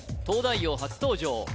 「東大王」初登場